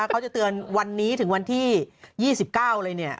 เขาจะเตือนวันนี้ถึงวันที่๒๙เลยเนี่ย